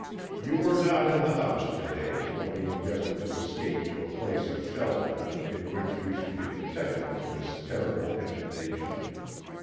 "You were not in the house to day when we endeavoured to escape to a place of shelter in which we should be protected from this terrible inundation.